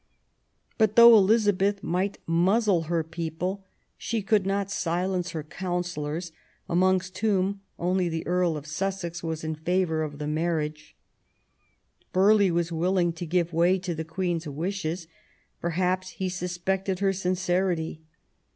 But though Elizabeth might muzzle her people, she could not silence her counsellors, amongst whom only the Earl of Sussex was in favour of the marriage. THE ALENQON MARRIAGE, 173 Burghley was willing to give way to the Queen's Avishes; perhaps he suspected their sincerity.